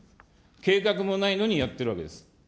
計画もないのにやってるわけです。